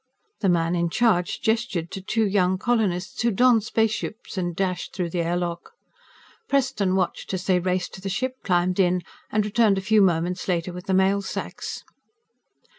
The man in charge gestured to two young colonists, who donned spacesuits and dashed through the airlock. Preston watched as they raced to the ship, climbed in, and returned a few moments later with the mail sacks.